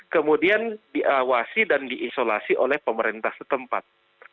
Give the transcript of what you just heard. kemudian diawasi dan diisolasi oleh pemerintah setempat